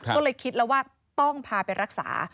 ก็เลยคิดแล้วว่าต้องพาไปรักษา